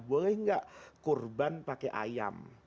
boleh nggak kurban pakai ayam